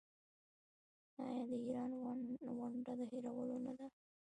آیا د ایران ونډه د هیرولو نه ده؟